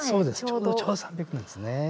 ちょうど３００年ですね。